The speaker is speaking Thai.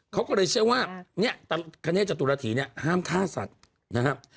เขาก็เลยเชื่อว่าเนี่ยคเนธจตุรฐีเนี่ยห้ามฆ่าสัตว์นะครับ